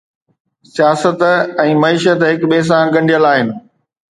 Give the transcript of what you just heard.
سياست ۽ معيشت هڪ ٻئي سان ڳنڍيل آهن